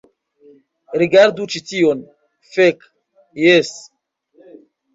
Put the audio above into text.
Rigardu ĉi tion. Fek, jes.